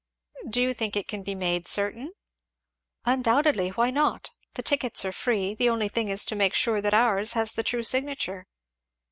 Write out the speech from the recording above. "Do you think it can be made certain?" "Undoubtedly! why not? the tickets are free the only thing is to make sure that ours has the true signature.